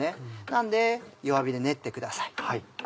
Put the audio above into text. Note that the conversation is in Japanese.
なんで弱火で練ってください。